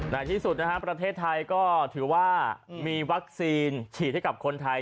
ในที่สุดนะฮะประเทศไทยก็ถือว่ามีวัคซีนฉีดให้กับคนไทย